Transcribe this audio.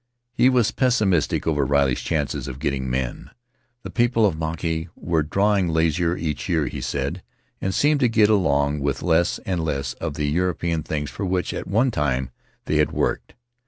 He was pessimistic over Riley's chances of getting men — the people of Mauke were growing lazier each year, he said, and seemed to get along with less and less of the European things for which, at one time, they had worked.